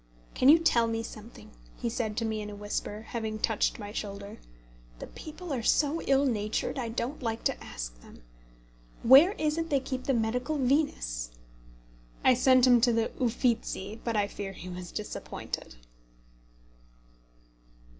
"Can you tell me something?" he said to me in a whisper, having touched my shoulder. "The people are so ill natured I don't like to ask them. Where is it they keep the Medical Venus?" I sent him to the Uffizzi, but I fear he was disappointed.